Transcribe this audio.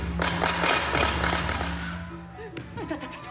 あいたたたた。